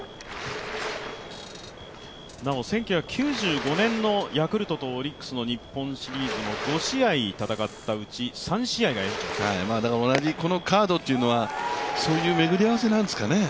なお１９９５年のヤクルトとオリックスの日本シリーズも５試合戦ったうち、３試合が延長戦同じカードというのは、そういう巡り合わせなんですかね。